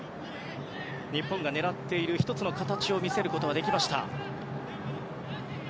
日本が狙っている１つの形を見せることができました。